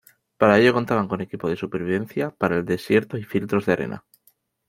Para ello contaban con equipo de supervivencia para el desierto y filtros de arena.